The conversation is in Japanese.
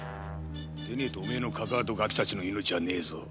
でねえとお前のカカアとガキたちの命はないぞ。